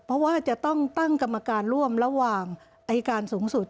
เพราะว่าจะต้องตั้งกรรมการร่วมระหว่างอายการสูงสุด